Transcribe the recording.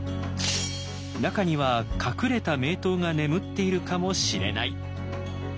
中には隠れた名刀が眠っているかもしれない！